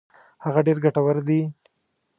هغه ډېر ګټور دي.